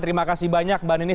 terima kasih banyak mbak ninis